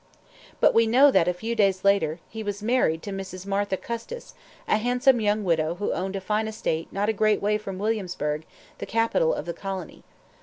But we know that, a few days later, he was married to Mrs. Martha Custis, a handsome young widow who owned a fine estate not a great way from Williamsburg, the capital of the colony.